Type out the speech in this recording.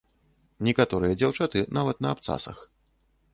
Некаторыя дзяўчаты нават на абцасах.